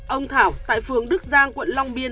ông thảo tại phường đức giang quận long biên